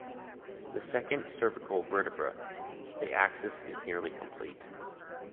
The second cervical vertebra, the axis, is nearly complete.